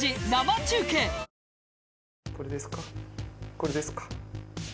これですか？